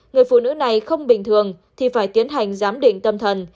người phụ nữ này không bình thường thì phải tiến hành giám định tâm thần